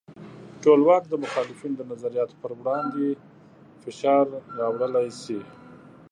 ټولواک د مخالفینو د نظریاتو پر وړاندې فشار راوړلی شي.